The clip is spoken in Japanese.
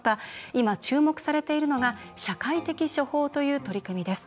今、注目されているのが社会的処方という取り組みです。